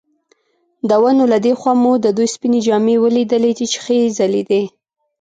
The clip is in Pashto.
د ونو له دې خوا مو د دوی سپینې جامې ولیدلې چې ښې ځلېدې.